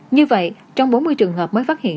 như vậy trong bốn mươi trường hợp mới phát hiện